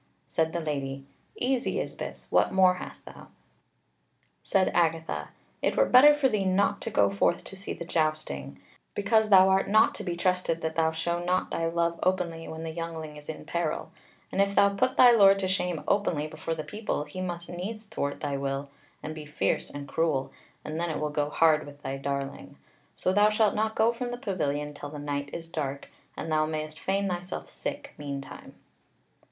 Said the Lady: "Easy is this. What more hast thou?" Said Agatha: "It were better for thee not to go forth to see the jousting; because thou art not to be trusted that thou show not thy love openly when the youngling is in peril; and if thou put thy lord to shame openly before the people, he must needs thwart thy will, and be fierce and cruel, and then it will go hard with thy darling. So thou shalt not go from the pavilion till the night is dark, and thou mayst feign thyself sick meantime."